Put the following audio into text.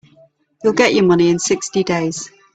You'll get your money in sixty days.